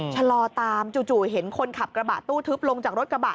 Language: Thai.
ชะลอตามจู่เห็นคนขับกระบะตู้ทึบลงจากรถกระบะ